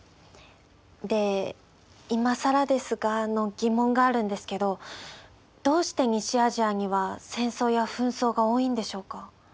でいまさらですがの疑問があるんですけどどうして西アジアには戦争や紛争が多いんでしょうか？